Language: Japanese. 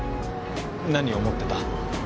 何思ってた？